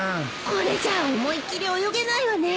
これじゃあ思いっきり泳げないわね。